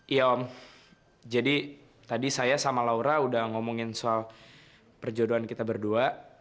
iya om jadi tadi saya sama laura udah ngomongin soal perjodohan kita berdua